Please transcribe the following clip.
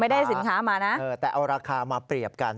ได้สินค้ามานะแต่เอาราคามาเปรียบกัน